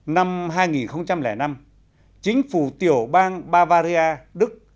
năm hai nghìn năm chính phủ tiểu bang bavaria đức